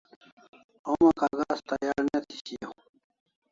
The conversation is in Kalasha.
Homa kaghas tayar ne thi shiau